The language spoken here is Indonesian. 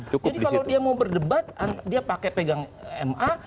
jadi kalau dia mau berdebat dia pakai pegang ma